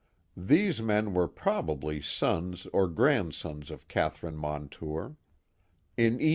These men were probably sons or grandsons of Catherine Montour. In E.